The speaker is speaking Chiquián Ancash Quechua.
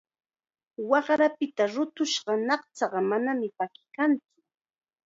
Waqrapita rurashqa ñaqchaqa manam pakikantsu.